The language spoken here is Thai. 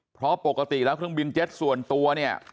เพราะปกติแล้วเครื่องบินเจ็ตส่วนตัวเนี่ย